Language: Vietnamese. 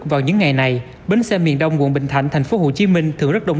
vào những ngày này bến xe miền đông quận bình thạnh thành phố hồ chí minh thường rất đông